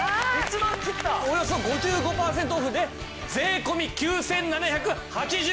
およそ５５パーセントオフで税込９７８０円でございます。